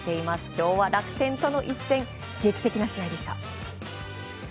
今日は楽天との一戦劇的な試合でした。